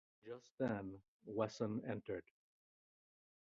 Just then Wesson entered.